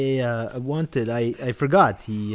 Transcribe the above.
wanted... I forgot... he...